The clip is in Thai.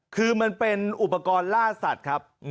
คือมันเป็นอุปกรณ์ล่าสัตว์ครับ